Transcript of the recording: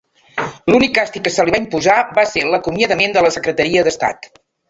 L'únic càstig que se li va imposar va ser l'acomiadament de la Secretaria d'Estat.